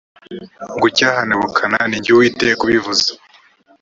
ngucyahanye ubukana ni jye uwiteka ubivuze